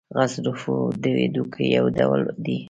غضروف د هډوکو یو ډول دی.